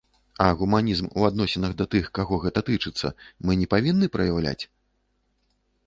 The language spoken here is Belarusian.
А гуманізм у адносінах да тых, каго гэта тычыцца, мы не павінны праяўляць?